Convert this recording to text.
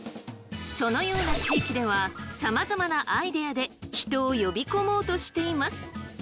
そのような地域ではさまざまなアイデアで人を呼び込もうとしています。